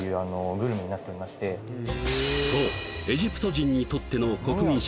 そうエジプト人にとっての国民食